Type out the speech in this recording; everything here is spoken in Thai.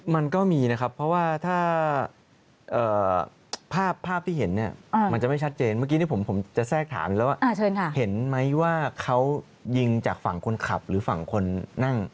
มันก็มีนะครับเพราะว่าถ้าภาพที่เห็นเนี่ยมันจะไม่ชัดเจนเมื่อกี้ผมจะแทรกถามอยู่แล้วว่าเห็นไหมว่าเขายิงจากฝั่งคนขับหรือฝั่งคนนั่ง